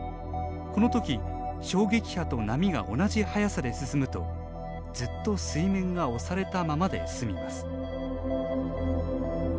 このとき衝撃波と波が同じ速さで進むとずっと水面が押されたままで進みます。